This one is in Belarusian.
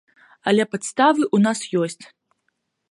Але падставы ў нас ёсць.